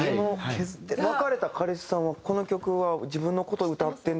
別れた彼氏さんはこの曲は自分の事歌ってるんだ。